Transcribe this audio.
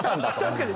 確かに。